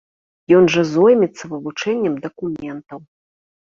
Ён жа зоймецца вывучэннем дакументаў.